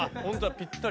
ぴったりだ。